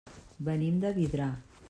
Venim de Vidrà.